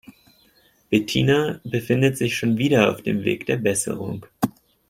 Bettina befindet sich schon wieder auf dem Weg der Besserung.